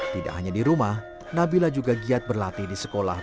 tidak hanya di rumah nabila juga giat berlatih di sekolah